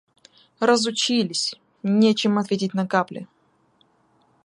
Разучились — нечем ответить на капли.